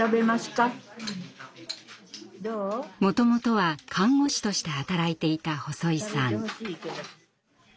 もともとは看護師として働いていた細井さん。